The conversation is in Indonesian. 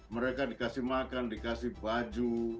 mereka dikasih makan dikasih baju